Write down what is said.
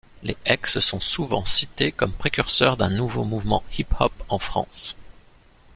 Les X sont souvent cités comme précurseurs d'un nouveau mouvement hip-hop en France.